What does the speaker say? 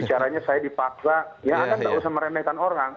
caranya saya dipaksa ya anda nggak usah meremehkan orang